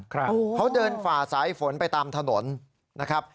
เขาเดินฝ่าสายฝนไปตามถนนนะครับ